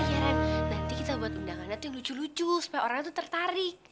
oh iya ren nanti kita buat undangan yang lucu lucu supaya orang itu tertarik